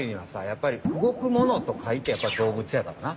やっぱり動く物とかいてやっぱり動物やからな。